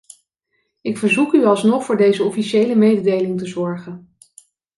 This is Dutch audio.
Ik verzoek u alsnog voor deze officiële mededeling te zorgen.